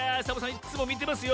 いっつもみてますよ。